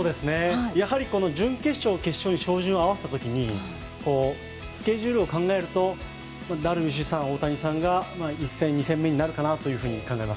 やはり準決勝、決勝に照準を合わせた時にスケジュールを考えるとダルビッシュさん、大谷さんが１戦、２戦目になるかなと思います。